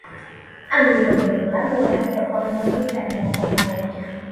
Amigo de Lola Mora, se formó en Italia como ella.